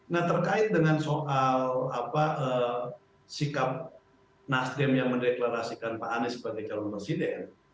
nah terkait dengan soal sikap nasdem yang mendeklarasikan pak anies sebagai calon presiden